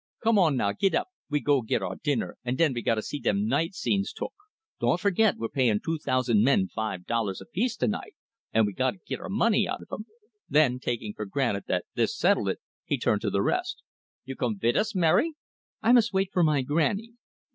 Come on now, git up, we go git our dinner, and den we gotta see dem night scenes took. Don't forgit, we're payin' two tousand men five dollars apiece tonight, and we gotta git our money out of 'em." Then, taking for granted that this settled it, he turned to the rest. "You come vit us, Mary?" "I must wait for my grannie."